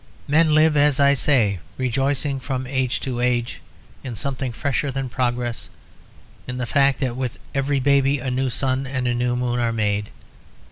Men live, as I say, rejoicing from age to age in something fresher than progress in the fact that with every baby a new sun and a new moon are made.